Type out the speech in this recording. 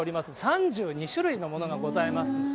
３２種類のものがございます。